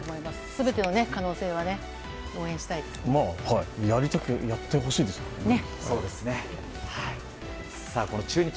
全ての可能性はやりたいならやってほしいですね。